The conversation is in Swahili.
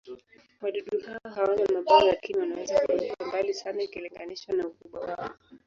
Wadudu hao hawana mabawa, lakini wanaweza kuruka mbali sana ikilinganishwa na ukubwa wao.